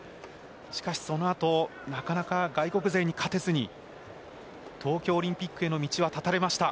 しかし、その後なかなか外国勢に勝てずに東京オリンピックへの道は絶たれました。